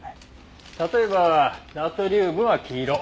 例えばナトリウムは黄色。